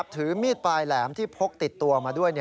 ถือมีดปลายแหลมที่พกติดตัวมาด้วย